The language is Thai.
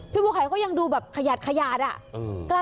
พี่บัวขายก็ยังดูแบบขยัดอะ